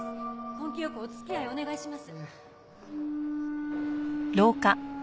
根気よくお付き合いをお願いします。